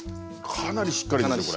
かなりしっかりですよ